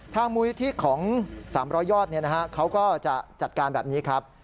มูลนิธิของ๓๐๐ยอดเขาก็จะจัดการแบบนี้ครับ